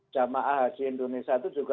jamaah haji indonesia itu